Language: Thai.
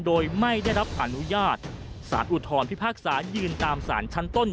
โดยไม่ได้รับอนุญาตสารอุทธรพิพากษายืนตามสารชั้นต้น